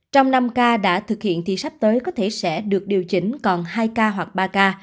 trong năm k đã thực hiện thì sắp tới có thể sẽ được điều chỉnh còn hai k hoặc ba k